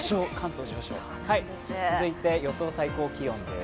続いて予想最高気温です。